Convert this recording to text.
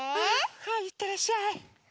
はいいってらっしゃい。